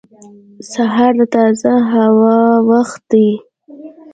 • سهار د تازه هوا وخت دی.